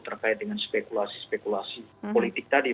terkait dengan spekulasi spekulasi politik tadi